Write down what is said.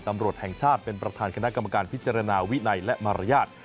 ตำรวจแห่งชาติเป็นประธานคณะกรรมการพิจารณาวินัยและมารยาท